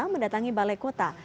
mendatangi balai kota